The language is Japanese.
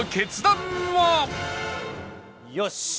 よし！